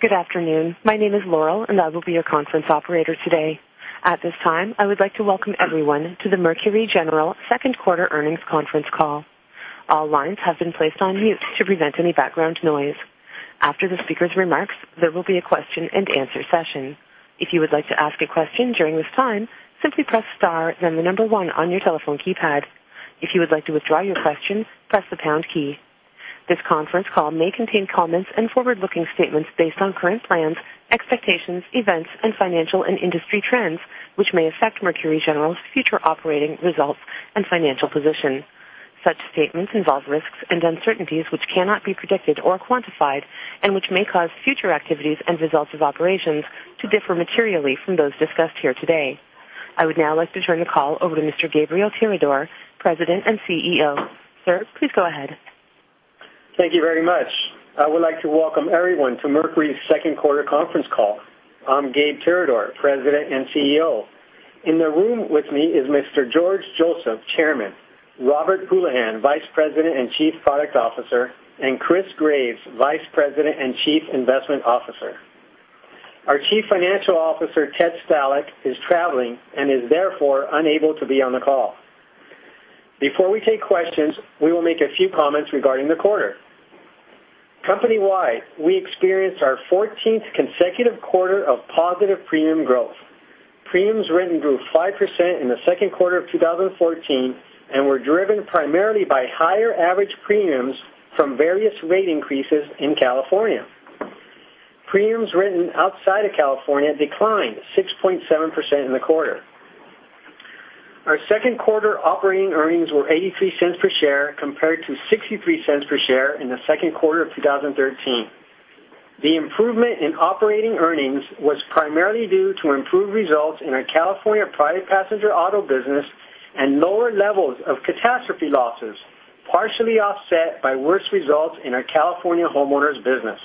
Good afternoon. My name is Laurel, and I will be your conference operator today. At this time, I would like to welcome everyone to the Mercury General second quarter earnings conference call. All lines have been placed on mute to prevent any background noise. After the speaker's remarks, there will be a question and answer session. If you would like to ask a question during this time, simply press star, then the number 1 on your telephone keypad. If you would like to withdraw your question, press the pound key. This conference call may contain comments and forward-looking statements based on current plans, expectations, events, and financial and industry trends, which may affect Mercury General's future operating results and financial position. Such statements involve risks and uncertainties which cannot be predicted or quantified and which may cause future activities and results of operations to differ materially from those discussed here today. I would now like to turn the call over to Mr. Gabriel Tirador, President and CEO. Sir, please go ahead. Thank you very much. I would like to welcome everyone to Mercury's second quarter conference call. I'm Gabe Tirador, President and CEO. In the room with me is Mr. George Joseph, Chairman, Robert Houlihan, Vice President and Chief Product Officer, and Chris Graves, Vice President and Chief Investment Officer. Our Chief Financial Officer, Ted Stalick, is traveling and is therefore unable to be on the call. Before we take questions, we will make a few comments regarding the quarter. Company-wide, we experienced our 14th consecutive quarter of positive premium growth. Premiums written grew 5% in the second quarter of 2014 and were driven primarily by higher average premiums from various rate increases in California. Premiums written outside of California declined 6.7% in the quarter. Our second quarter operating earnings were $0.83 per share compared to $0.63 per share in the second quarter of 2013. The improvement in operating earnings was primarily due to improved results in our California private passenger auto business and lower levels of catastrophe losses, partially offset by worse results in our California homeowners business.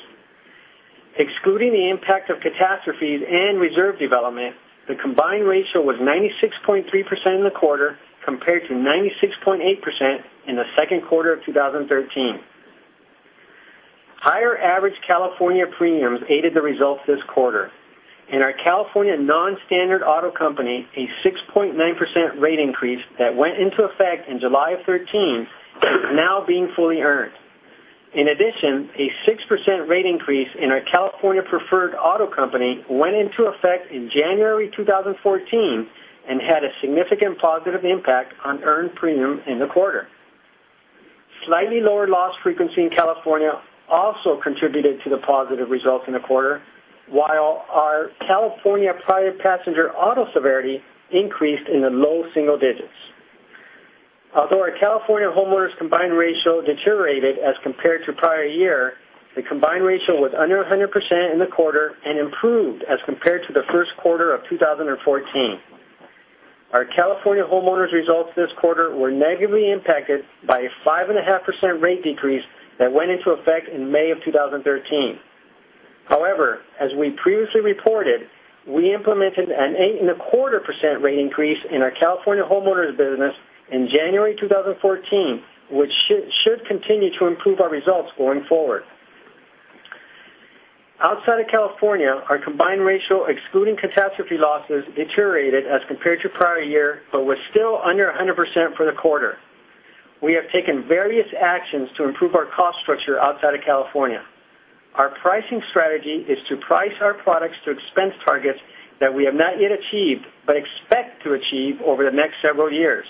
Excluding the impact of catastrophes and reserve development, the combined ratio was 96.3% in the quarter, compared to 96.8% in the second quarter of 2013. Higher average California premiums aided the results this quarter. In our California non-standard auto company, a 6.9% rate increase that went into effect in July of 2013 is now being fully earned. In addition, a 6% rate increase in our California preferred auto company went into effect in January 2014 and had a significant positive impact on earned premium in the quarter. Slightly lower loss frequency in California also contributed to the positive results in the quarter, while our California private passenger auto severity increased in the low single digits. Although our California homeowners combined ratio deteriorated as compared to prior year, the combined ratio was under 100% in the quarter and improved as compared to the first quarter of 2014. Our California homeowners results this quarter were negatively impacted by a 5.5% rate decrease that went into effect in May of 2013. However, as we previously reported, we implemented an 8.25% rate increase in our California homeowners business in January 2014, which should continue to improve our results going forward. Outside of California, our combined ratio, excluding catastrophe losses, deteriorated as compared to prior year but was still under 100% for the quarter. We have taken various actions to improve our cost structure outside of California. Our pricing strategy is to price our products to expense targets that we have not yet achieved but expect to achieve over the next several years.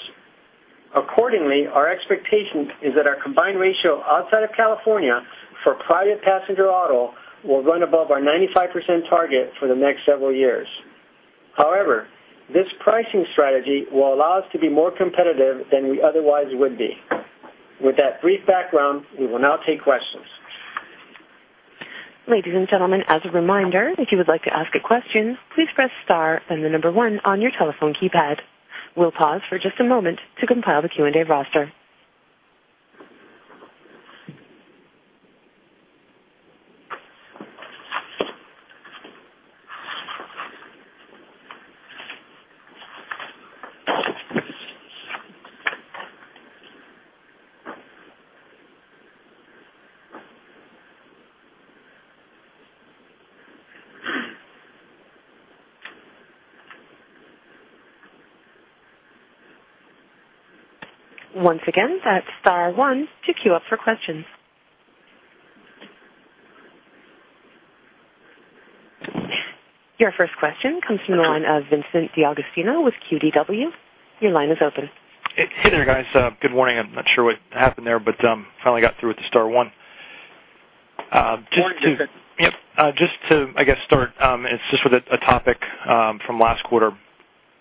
Accordingly, our expectation is that our combined ratio outside of California for private passenger auto will run above our 95% target for the next several years. This pricing strategy will allow us to be more competitive than we otherwise would be. With that brief background, we will now take questions. Ladies and gentlemen, as a reminder, if you would like to ask a question, please press star and the number one on your telephone keypad. We'll pause for just a moment to compile the Q&A roster. Once again, that's star one to queue up for questions. Your first question comes from the line of Vincent D'Agostino with KBW. Your line is open. Hey there, guys. Good morning. I'm not sure what happened there, finally got through with the star one. Morning, Vincent. Yep. Just to start, it's just with a topic from last quarter.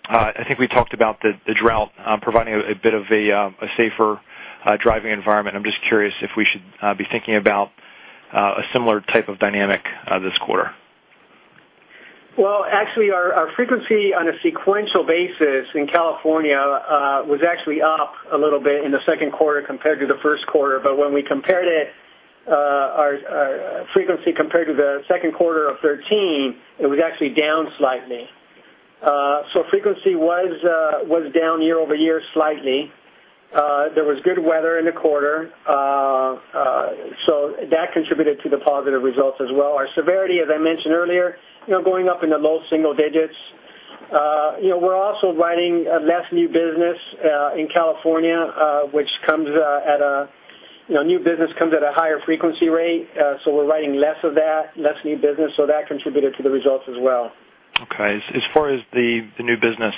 I think we talked about the drought providing a bit of a safer driving environment. I'm just curious if we should be thinking about a similar type of dynamic this quarter. Well, actually, our frequency on a sequential basis in California was actually up a little bit in the second quarter compared to the first quarter. When we compared it, our frequency compared to the second quarter of 2013, it was actually down slightly. Frequency was down year-over-year slightly. There was good weather in the quarter, so that contributed to the positive results as well. Our severity, as I mentioned earlier, going up in the low single digits. We're also writing less new business in California. New business comes at a higher frequency rate. We're writing less of that, less new business, so that contributed to the results as well. Okay. As far as the new business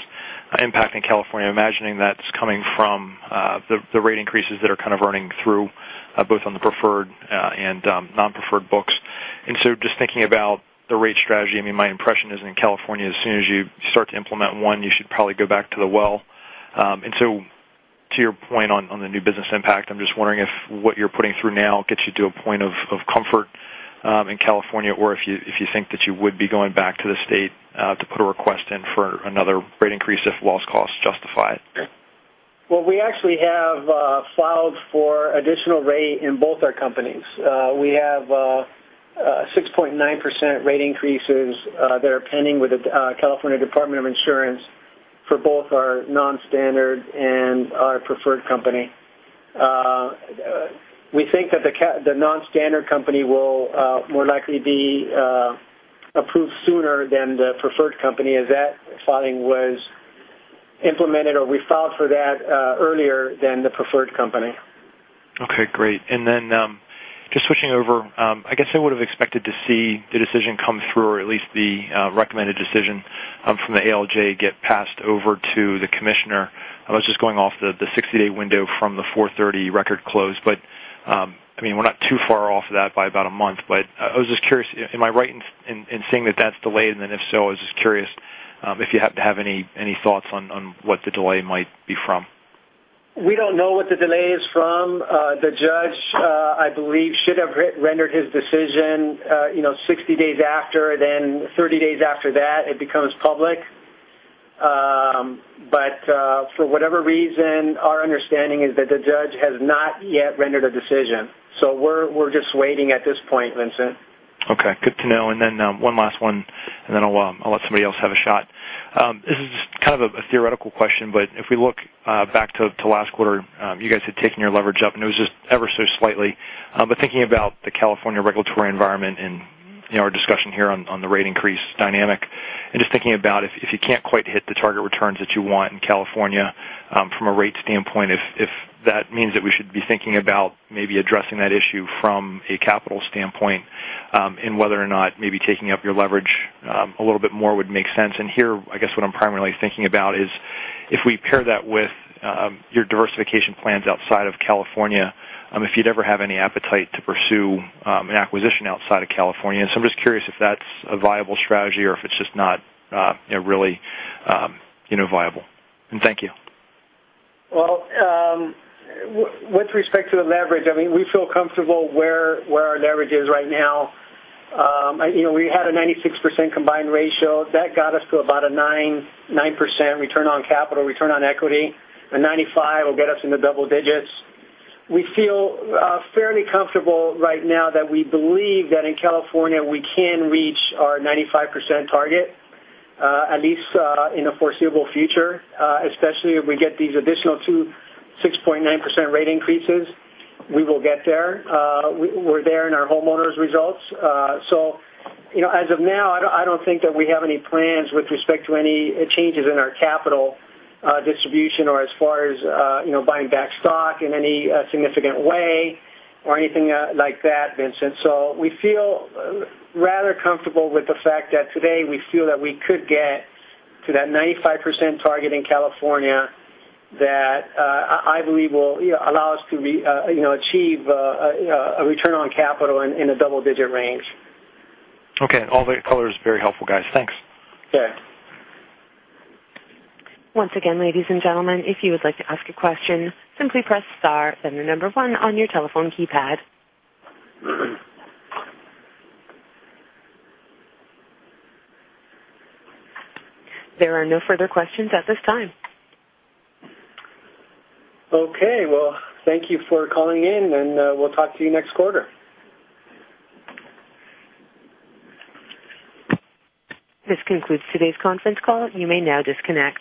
impact in California, I'm imagining that's coming from the rate increases that are kind of running through, both on the preferred and non-preferred books. Just thinking about the rate strategy, my impression is in California, as soon as you start to implement one, you should probably go back to the well. To your point on the new business impact, I'm just wondering if what you're putting through now gets you to a point of comfort in California, or if you think that you would be going back to the state to put a request in for another rate increase if loss costs justify it. Well, we actually have filed for additional rate in both our companies. We have 6.9% rate increases that are pending with the California Department of Insurance for both our non-standard and our preferred company. We think that the non-standard company will more likely be approved sooner than the preferred company, as that filing was implemented, or we filed for that earlier than the preferred company. Okay, great. Just switching over, I guess I would have expected to see the decision come through, or at least the recommended decision from the ALJ get passed over to the commissioner. I was just going off the 60-day window from the 4:30 record close. We're not too far off that by about a month. I was just curious, am I right in saying that that's delayed? If so, I was just curious if you happen to have any thoughts on what the delay might be from. We don't know what the delay is from. The judge, I believe, should have rendered his decision 60 days after. 30 days after that, it becomes public. For whatever reason, our understanding is that the judge has not yet rendered a decision. We're just waiting at this point, Vincent. Okay, good to know. One last one, I'll let somebody else have a shot. This is kind of a theoretical question, but if we look back to last quarter, you guys had taken your leverage up, and it was just ever so slightly. Thinking about the California regulatory environment and our discussion here on the rate increase dynamic, just thinking about if you can't quite hit the target returns that you want in California from a rate standpoint, if that means that we should be thinking about maybe addressing that issue from a capital standpoint, whether or not maybe taking up your leverage a little bit more would make sense. Here, I guess what I'm primarily thinking about is if we pair that with your diversification plans outside of California, if you'd ever have any appetite to pursue an acquisition outside of California. I'm just curious if that's a viable strategy or if it's just not really viable. Thank you. Well, with respect to the leverage, we feel comfortable where our leverage is right now. We had a 96% combined ratio. That got us to about a 9% return on capital, return on equity. A 95 will get us in the double digits. We feel fairly comfortable right now that we believe that in California, we can reach our 95% target, at least in the foreseeable future, especially if we get these additional two 6.9% rate increases. We will get there. We're there in our homeowners results. As of now, I don't think that we have any plans with respect to any changes in our capital distribution or as far as buying back stock in any significant way or anything like that, Vincent. We feel rather comfortable with the fact that today we feel that we could get to that 95% target in California that I believe will allow us to achieve a return on capital in the double-digit range. Okay. All the colors very helpful, guys. Thanks. Sure. Once again, ladies and gentlemen, if you would like to ask a question, simply press star, then the number one on your telephone keypad. There are no further questions at this time. Okay. Well, thank you for calling in, and we'll talk to you next quarter. This concludes today's conference call. You may now disconnect.